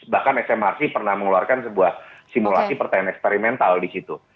bahkan smrc pernah mengeluarkan sebuah simulasi pertanyaan eksperimental disitu